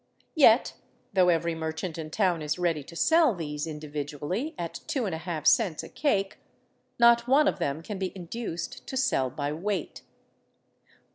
Yet, though every merchant in town is ready to sell these individually at 2^^ cents a cake, not one of them can be induced to sell by weight.